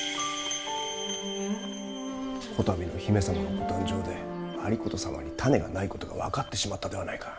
こたびの姫様のご誕生で有功様に胤がないことが分かってしまったではないか。